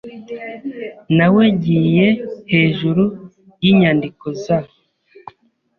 Nawegiye hejuru yinyandiko za .